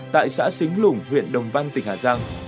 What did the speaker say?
tại xã xính lủng huyện đồng văn tỉnh hà giang